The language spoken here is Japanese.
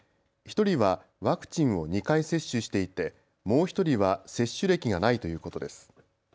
１人はワクチンを２回接種していてもう１人は接種歴がないということです。